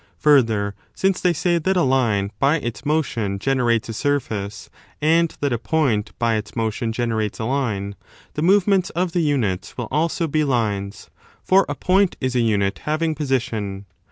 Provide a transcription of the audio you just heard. Further, since they say that a line by its motion gene rates a surface and that a point by its motion generates a line, the movements of the units will also be lines, for a point is a unit having position.